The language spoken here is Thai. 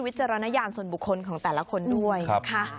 จารณญาณส่วนบุคคลของแต่ละคนด้วยนะคะ